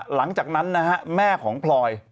หลังจากนั้นนะฮะแม่ของพลอย